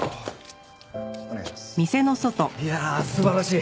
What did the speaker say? いやあ素晴らしい。